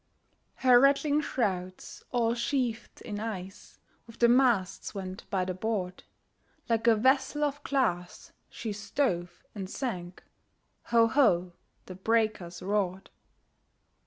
Her rattling shrouds, all sheathed in ice, With the masts went by the board; Like a vessel of glass, she stove and sank, Ho! ho! the breakers roared!